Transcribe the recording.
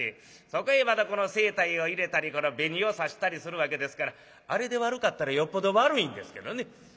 そこへまたこの青黛を入れたり紅をさしたりするわけですからあれで悪かったらよっぽど悪いんですけどね。